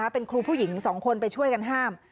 เป็นครูผู้หญิง๒คนไปช่วยกันห้าม